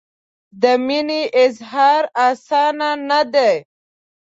د مینې اظهار اسانه نه دی.